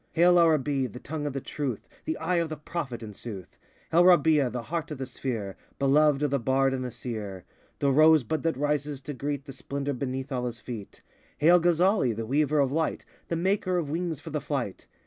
Hail, Arabi, b the Tongue of the Truth, The Eye of the Prophet, in sooth. Hail, Rabi'a, 8 the Heart of the Sphere, Beloved of the bard and the seer; The Rosebud that rises to greet The splendor beneath Allah's feet. Hail, Gazzali, b the Weaver of Light, The maker of wings for the flight.